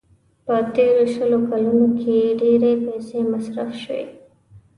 په تېرو شلو کلونو کې ډېرې پيسې مصرف شوې.